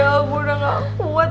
aku udah gak puas